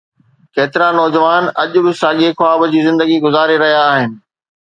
ڪيترا نوجوان اڄ به ساڳي خواب جي زندگي گذاري رهيا آهن؟